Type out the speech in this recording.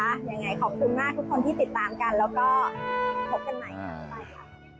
อย่างงี้ขอบคุณมากทุกคนที่ติดตามกันวก็พบกันใหม่ขนาดนี้